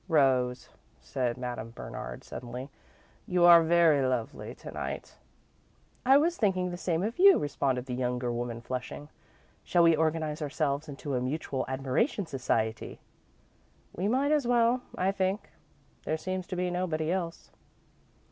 "Rose," said Madame Bernard, suddenly, "you are very lovely to night." "I was thinking the same of you," responded the younger woman, flushing. "Shall we organise ourselves into a mutual admiration society?" "We might as well, I think. There seems to be nobody else."